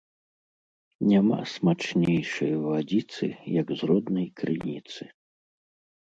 Няма смачнейшай вадзіцы, як з роднай крыніцы